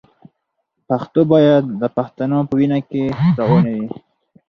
پښتو باید د پښتنو په وینه کې روانه وي.